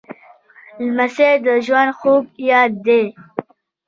لمسی د ژوند خوږ یاد دی.